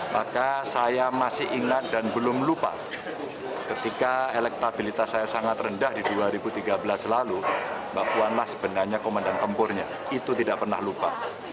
pada tahun dua ribu tiga belas lalu mbak puanlah sebenarnya komandan tempurnya itu tidak pernah lupa